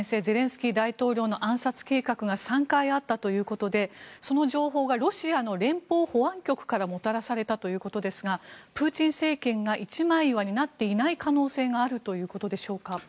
ゼレンスキー大統領の暗殺計画が３回あったということでその情報がロシアの連邦保安局からもたらされたということですがプーチン政権が一枚岩になっていない可能性があるということでしょうか。